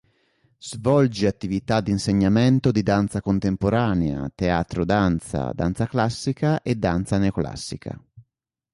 Svolge attività di insegnamento di danza contemporanea, teatro danza, danza classica e danza neoclassica.